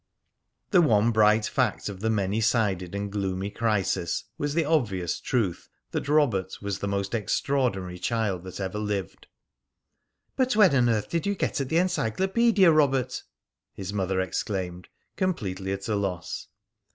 The one bright fact of the many sided and gloomy crisis was the very obvious truth that Robert was the most extraordinary child that ever lived. "But when on earth did you get at the encyclopedia, Robert?" his mother exclaimed, completely at a loss.